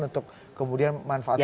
untuk kemudian manfaat politik